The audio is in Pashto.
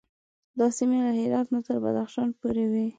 دا سیمې له هرات نه تر بدخشان پورې وې.